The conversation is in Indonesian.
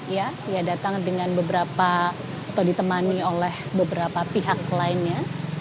ya ia datang dengan beberapa atau ditemani oleh beberapa pihak lainnya